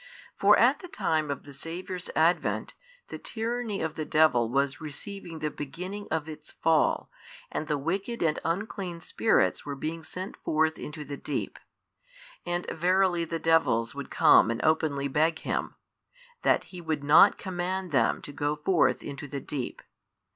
For at the time of the Saviour's Advent, the tyranny of the devil was receiving the beginning of its fall and the wicked and unclean spirits were being sent |652 forth into the deep. And verily the devils would come and openly beg Him, that He would not command them to go forth into the deep.